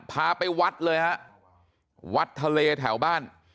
พาไปวัดเลยฮะวัดทะเลแถวบ้าน